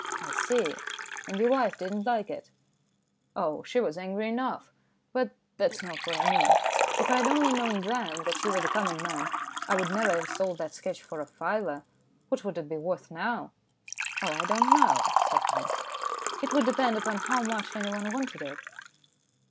" I see. And your wife didn't like it ?"" Oh, she was angry enough ; but that's not what I mean. If I had only known then that you were the coming man, I would never have sold that sketch for a fiver. What would it be worth now ?" "Oh, I don't know," said Haynes; "it would depend upon how much anyone wanted it."